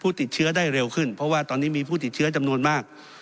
ติดเชื้อได้เร็วขึ้นเพราะว่าตอนนี้มีผู้ติดเชื้อจำนวนมาก